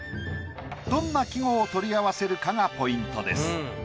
どんな季語を取り合わせるかがポイントです。